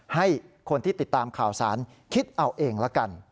ให้คนที่ติดตามข่าวสารคิดเอาเองละกัน